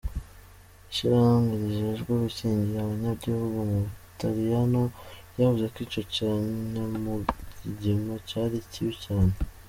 Ishirahamwe rijejwe gukingira abanyagihugu mu Butaliano ryavuze ko ico ca nyamugigima cari “kibi cane”.